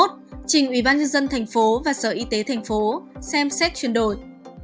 trình ubnd tp và sở y tế tp xem xét chuyển đổi